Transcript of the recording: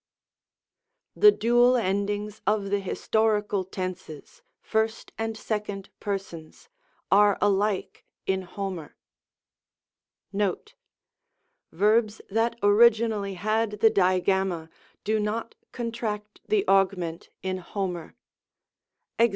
The Dual endings of the historical tenses, 1st and 2d Persons, are alike in Homer. Note. — Verbs that originally had the Digamma, do not contract the augment in Homer. Ex.